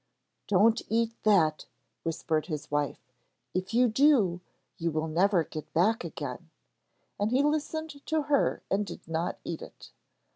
'Don't eat that,' whispered his wife, 'if you do, you will never get back again'; and he listened to her and did not eat it.